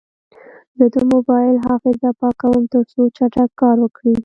زه د موبایل حافظه پاکوم، ترڅو چټک کار وکړي.